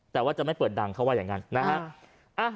แต่ว่าจะไม่เปิดดังเขาว่าอย่างนั้นนะฮะ